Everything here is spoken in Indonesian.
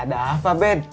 ada apa bed